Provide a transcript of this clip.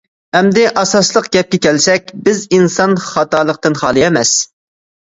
ئەمدى ئاساسلىق گەپكە كەلسەك، بىز ئىنسان، خاتالىقتىن خالىي ئەمەس.